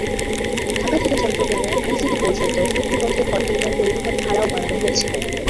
ঢাকা থেকে চট্টগ্রামের আইসিডি পর্যন্ত ফিরতি পথের কনটেইনার পরিবহন ভাড়াও বাড়ানো হয়েছে।